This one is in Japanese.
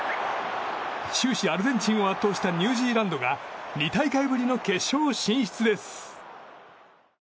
終始アルゼンチンを圧倒したニュージーランドが２大会ぶりの決勝進出です。